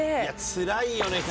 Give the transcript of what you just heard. つらいよね。